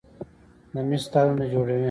د مسو تارونه جوړوي.